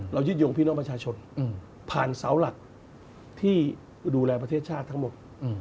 ยืดยงพี่น้องประชาชนผ่านเสาหลักที่ดูแลประเทศชาติทั้งหมด